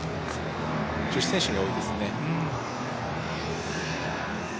女子選手に多いですね。